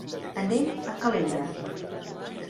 Anem a Calella.